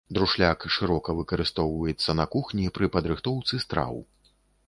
Друшляк шырока выкарыстоўваецца на кухні пры падрыхтоўцы страў.